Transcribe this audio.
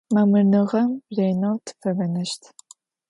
Mamırnığem rêneu tıfebeneşt.